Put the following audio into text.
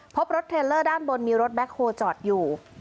พบรถเทลเลอร์ด้านบนมีรถแบ็คโฮลจอดอยู่